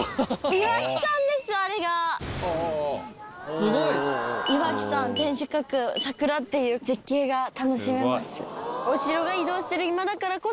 すごい！岩木山天守閣桜っていう絶景が楽しめます。